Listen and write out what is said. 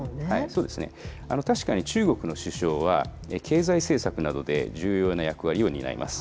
そうですね、確かに中国の首相は、経済政策などで重要な役割を担います。